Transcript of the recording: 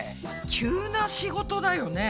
急な仕事だよね。